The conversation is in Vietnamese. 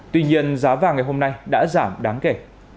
tuy nhiên giá vàng ngày hôm nay đã giảm đáng kể